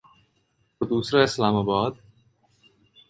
تو دوسرا اسلام آباد۔